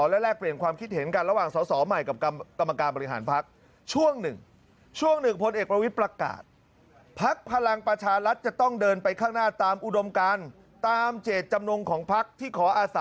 และแลกเปลี่ยนความคิดเห็นกันระหว่างสอสอ